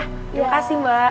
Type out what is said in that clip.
terima kasih mbak